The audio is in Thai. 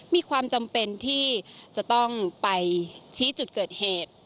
มีความจำเป็นที่จะต้องไปชี้จุดเกิดเหตุ